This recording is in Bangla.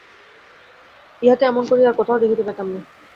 ইহাকে এমন করিয়া আর কোথাও দেখিতে পাইতাম না।